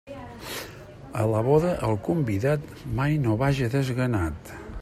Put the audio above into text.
A la boda el convidat mai no vaja desganat.